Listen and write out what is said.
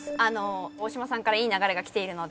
大島さんからいい流れが来ているので。